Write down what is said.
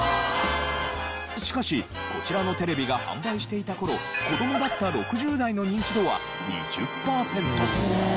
しかしこちらのテレビが販売していた頃子どもだった６０代のニンチドは２０パーセント。